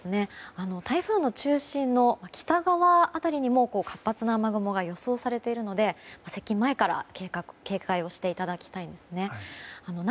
台風の中心の北側辺りにも活発な雨雲が予想されているので接近前から警戒をしていただきたいですね。